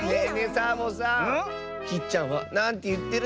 サボさんきっちゃんはなんていってるの？